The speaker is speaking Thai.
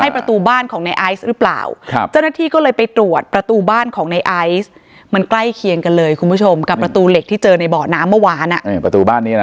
ประตูบ้านของในไอซ์หรือเปล่าครับเจ้าหน้าที่ก็เลยไปตรวจประตูบ้านของในไอซ์มันใกล้เคียงกันเลยคุณผู้ชมกับประตูเหล็กที่เจอในเบาะน้ำเมื่อวานอ่ะประตูบ้านนี้นะ